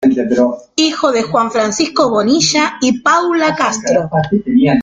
Hijo de Juan Francisco Bonilla y Paula Castro.